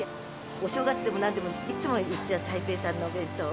お正月でもなんでも、いつも行っちゃう、台北さんのお弁当。